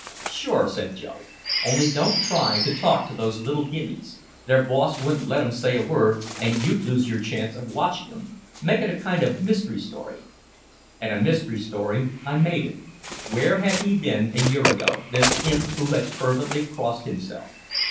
"Sure," said Joe. "Only don't try to talk to those little Guineys. Their boss wouldn't let 'em say a word and you'd lose your chance of watching 'em. Make it a kind of a mystery story." And a mystery story I made it. Where had he been a year ago, this imp who had fervently crossed himself?